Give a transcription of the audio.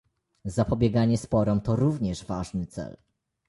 Zapobieganie sporom to również ważny cel